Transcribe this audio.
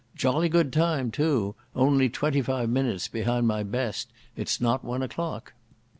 "Jolly good time, too. Only twenty five minutes behind my best. It's not one o'clock."